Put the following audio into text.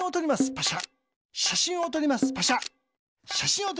パシャ。